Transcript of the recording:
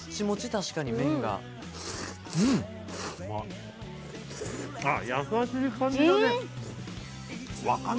確かに麺がああ優しい感じだねうん！